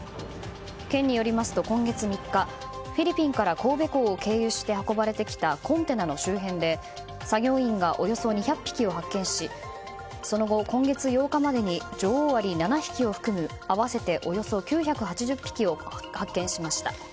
県によりますと今月３日フィリピンから神戸港を経由して運ばれてきたコンテナの周辺で作業員がおよそ２００匹を発見しその後、今月８日までに女王アリ７匹を含む合わせておよそ９８０匹を発見しました。